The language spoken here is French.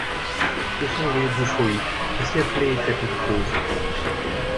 Ce sont les Boucheroïtes aussi appelés tapis du pauvre.